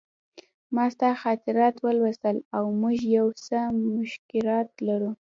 ما ستا خاطرات ولوستل او موږ یو څه مشترکات لرو